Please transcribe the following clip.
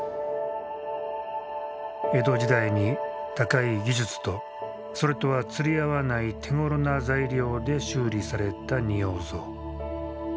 江戸時代に高い技術とそれとは釣り合わない手ごろな材料で修理された仁王像。